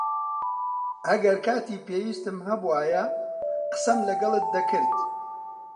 ئەگەر کاتی پێویستم هەبووایە، قسەم لەگەڵت دەکرد.